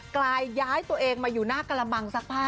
กลายย้ายตัวเองมาอยู่หน้ากระมังซักผ้า